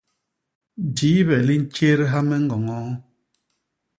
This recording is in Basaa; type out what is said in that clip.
Jibe li ntjédha me ñgoñoo.